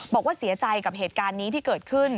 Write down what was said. บอกว่าเสียใจกับเหตุการณ์นี้ที่เกิดขึ้น